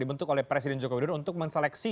dibentuk oleh presiden joko widodo untuk menseleksi